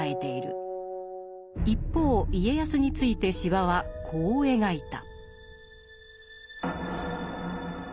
一方家康について司馬はこう描いた。